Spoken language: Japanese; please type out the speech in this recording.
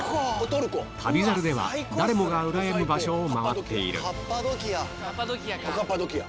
『旅猿』では誰もがうらやむ場所を回っているカッパドキア。